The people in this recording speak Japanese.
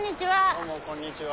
どうもこんにちは。